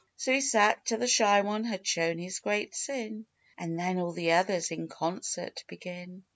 So he sat till the Shy One had shown his great sin, And then all the others in concert begin.